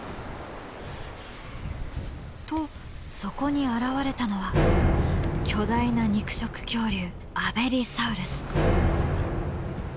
とそこに現れたのは巨大な肉食恐竜アベリサウルス。